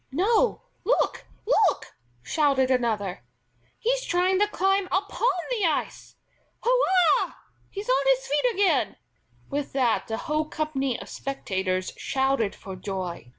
"No; look, look!" shouted another. "He's trying to climb upon the ice. Hurrah! he's on his feet again!" With that the whole company of spectators shouted for joy.